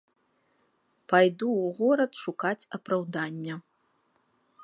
Пайду ў горад шукаць апраўдання.